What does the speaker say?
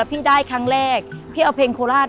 พี่ได้ครั้งแรกพี่เอาเพลงโคราช